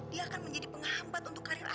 dia akan menjadi penghambat untuk karya karya